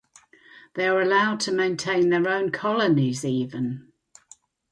They are allowed to maintain their own colonies even.